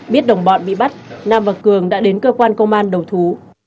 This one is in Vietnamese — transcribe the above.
biết đồng bọn bị bắt nam và cường đã đến cơ quan công an đầu thú